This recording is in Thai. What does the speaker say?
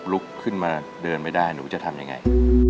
ลุกขึ้นมาเดินไม่ได้หนูจะทำยังไง